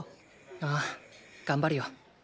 ああ頑張るよ。